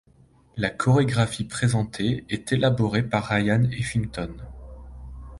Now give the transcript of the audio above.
La chorégraphie présentée est élaborée par Ryan Heffington.